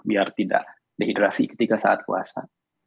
biar tidak dehidrasi ketika saat puasa